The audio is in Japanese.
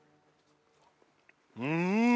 うん！